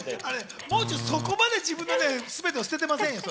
そこまで自分のすべてを捨ててませんよ。